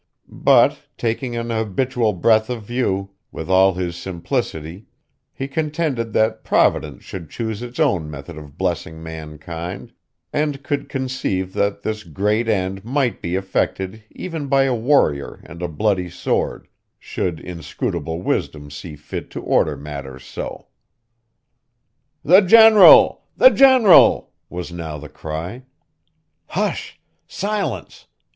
But, taking an habitual breadth of view, with all his simplicity, he contended that providence should choose its own method of blessing mankind, and could conceive that this great end might be effected even by a warrior and a bloody sword, should inscrutable wisdom see fit to order matters SO. 'The general! the general!' was now the cry. 'Hush! silence!